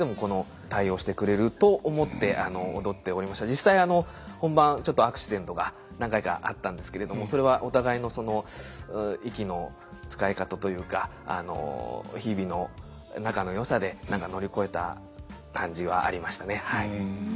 実際本番ちょっとアクシデントが何回かあったんですけれどもそれはお互いのその息の使い方というか日々の仲の良さで何か乗り越えた感じはありましたね。